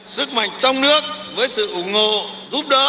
sức mạnh trong nước với sự ủng hộ giúp đỡ